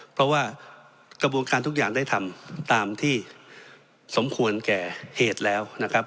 เพราะว่ากระบวนการทุกอย่างได้ทำตามที่สมควรแก่เหตุแล้วนะครับ